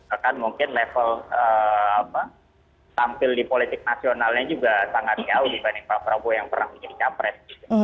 akan mungkin level tampil di politik nasionalnya juga sangat jauh dibanding pak prabowo yang pernah menjadi capres